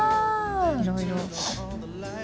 いろいろ。